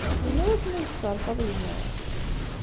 Yella wasmi ay tesserfaḍ yemma-k?